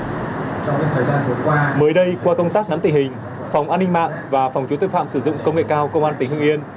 trong thời gian vừa qua mới đây qua công tác nắm tình hình phòng an ninh mạng và phòng chú tuyên phạm sử dụng công nghệ cao công an tỉnh hương yên